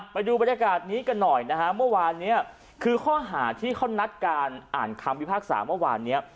ไปดูบรรยากาศนี้กันหน่อยนะฮะเมื่อวานเนี้ยคือข้อหาที่เขานัดการอ่านคำพิพากษาเมื่อวานเนี้ย